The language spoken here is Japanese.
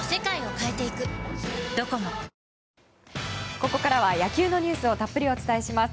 ここからは野球のニュースをたっぷりお伝えします。